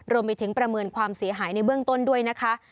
รวมไปถึงประเมินความเสียหายในเบื้องต้นด้วยนะคะ